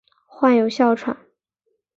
患有哮喘。